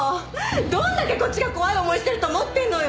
どれだけこっちが怖い思いしてると思ってるのよ！